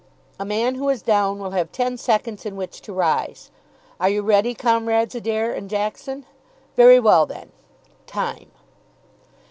A man who is down will have ten seconds in which to rise. Are you ready, Comrades Adair and Jackson? Very well, then. Time."